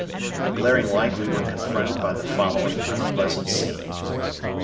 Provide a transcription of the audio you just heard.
In the glaring light we were confronted by the following unpleasant scene.